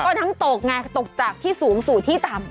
ก็น้ำตกไงตกจากที่สูงสู่ที่ต่ำ